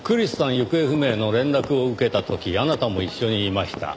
行方不明の連絡を受けた時あなたも一緒にいました。